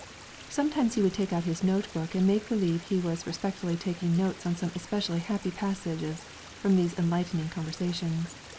Sometimes he would take out his note book and make believe he was respectfully taking notes on some especially happy passages from these enlightening conversations.